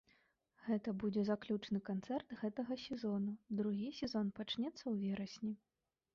Гэта будзе заключны канцэрт гэтага сезону, другі сезон пачнецца ў верасні.